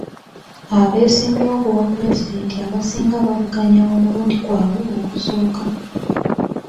Abeesimbyewo ku bwa pulezidenti abasinga bavuganya omulundi gwabwe ogusooka.